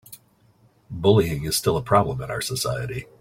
Bullying is still a problem in our society.